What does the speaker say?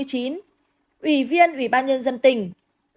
ủy viên ủy ban nhân dân tỉnh